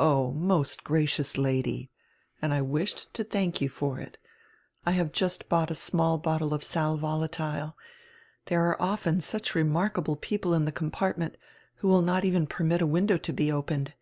"Oh, most gracious Lady." "And I wished to thank you for it. I have just bought a small bottle of sal volatile. There are often such remark able people in the compartment, who will not even permit a window to be opened.